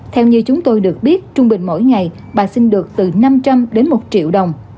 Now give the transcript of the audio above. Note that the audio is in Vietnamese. theo như chúng tôi được biết trung bình mỗi ngày bà sinh được từ năm trăm linh đến một triệu đồng